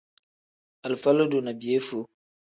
Alifa lodo ni piyefuu.